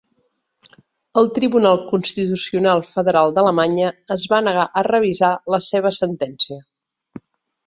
El Tribunal Constitucional Federal d'Alemanya es va negar a revisar la seva sentència.